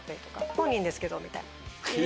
本人ですけどみたいな。え！